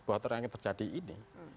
bahwa terjadi ini